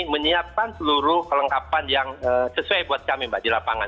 menyiapkan seluruh kelengkapan yang sesuai buat kami mbak di lapangan